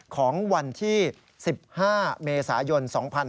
ของวันที่๑๕เมษายน๒๕๕๙